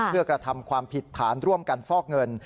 เพื่อกระทำความผิดฐานร่วมกันฟอกเงิน